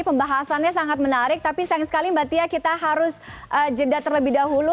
pembahasannya sangat menarik tapi sayang sekali mbak tia kita harus jeda terlebih dahulu